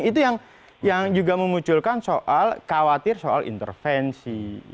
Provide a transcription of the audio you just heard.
itu yang juga memunculkan soal khawatir soal intervensi